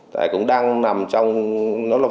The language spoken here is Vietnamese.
tại cũng đang nằm trong cơ quan pháp luật